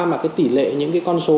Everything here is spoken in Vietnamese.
mà cái tỷ lệ những cái con số